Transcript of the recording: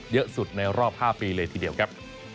เยอะสุดในรอบ๕ปีเลยทีเดียวครับ